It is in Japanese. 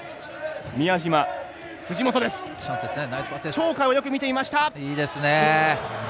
鳥海はよく見ていました。